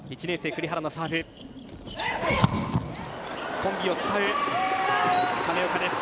コンビを使う亀岡です。